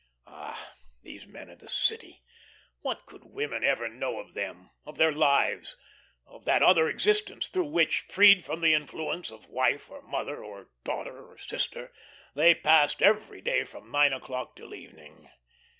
Ah, these men of the city, what could women ever know of them, of their lives, of that other existence through which freed from the influence of wife or mother, or daughter or sister they passed every day from nine o'clock till evening?